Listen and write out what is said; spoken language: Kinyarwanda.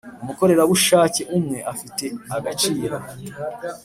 umukorerabushake umwe afite agaciro